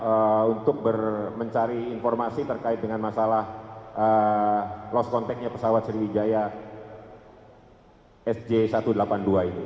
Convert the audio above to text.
untuk mencari informasi terkait dengan masalah lost contact nya pesawat sriwijaya sj satu ratus delapan puluh dua ini